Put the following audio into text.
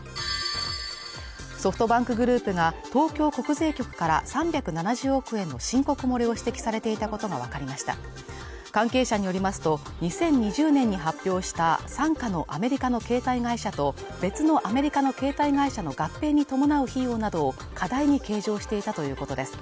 ソフトバンクグループが東京国税局から３７０億円の申告漏れを指摘されていたことが分かりました関係者によりますと２０２０年に発表した傘下のアメリカの携帯会社と別のアメリカの携帯会社の合併に伴う費用などを過大に計上していたということです